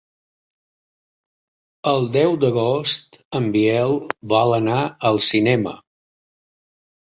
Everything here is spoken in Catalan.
El deu d'agost en Biel vol anar al cinema.